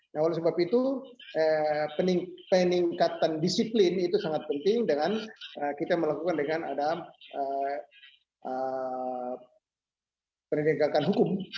nah oleh sebab itu peningkatan disiplin itu sangat penting dengan kita melakukan dengan ada penegakan hukum